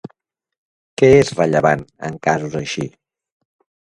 Què és rellevant en casos així?